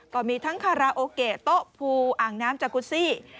ก็มีทั้งคาราโอเกะโต๊ะภูอ่างน้ำจากุซี่